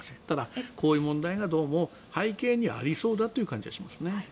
ただ、こういう問題がどうも背景にはありそうだという感じがしますね。